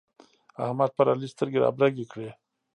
احمد پر علي سترګې رابرګې کړې.